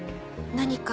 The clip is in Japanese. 何か。